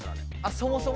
そもそも？